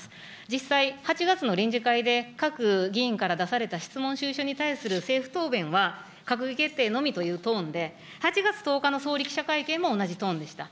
実際、８月の臨時会で各議員から出された質問主意書に対する政府答弁は、閣議決定のみというトーンで、８月１０日の総理記者会見も同じトーンでした。